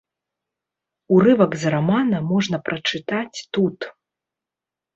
Урывак з рамана можна прачытаць тут.